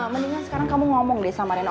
mendingan sekarang kamu ngomong deh sama reno